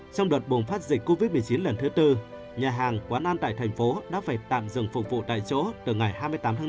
trong đợt bùng phát dịch covid một mươi chín lần thứ tư nhà hàng quán ăn tại thành phố đã phải tạm dừng phục vụ tại chỗ từ ngày hai mươi tám tháng năm